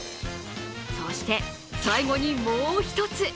そして最後にもう１つ。